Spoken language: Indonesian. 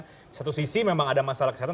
di satu sisi memang ada masalah kesehatan